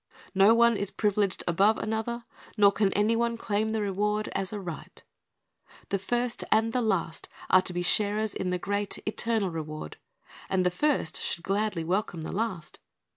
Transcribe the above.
No one is privileged above another, nor can any one claim the reward as a right. The first and the last are to be sharers in the great, eternal reward, and the first should gladly welcome the last.